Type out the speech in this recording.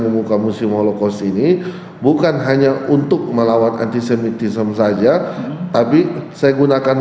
membuka musim holocaust ini bukan hanya untuk melawan antisemitisem saja tapi saya gunakan